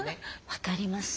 分かります。